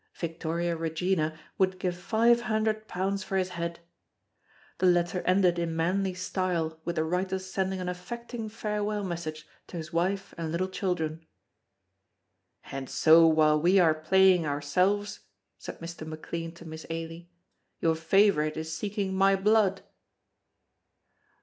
Victoria Regina would give five hundred pounds for his head. The letter ended in manly style with the writer's sending an affecting farewell message to his wife and little children. "And so while we are playing ourselves," said Mr. McLean to Miss Ailie, "your favorite is seeking my blood."